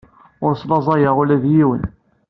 Ur slaẓayeɣ ula d yiwen.